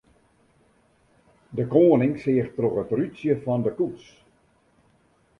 De koaning seach troch it rútsje fan de koets.